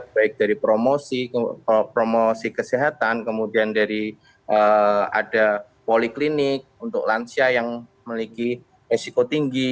baik dari promosi kesehatan kemudian dari ada poliklinik untuk lansia yang memiliki resiko tinggi